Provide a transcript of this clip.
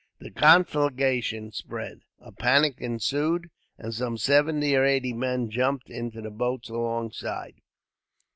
The conflagration spread, a panic ensued, and some seventy or eighty men jumped into the boats alongside.